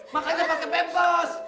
makanya pakai pepos